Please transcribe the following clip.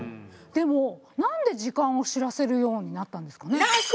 でもなんで時間を知らせるようになったんですかね？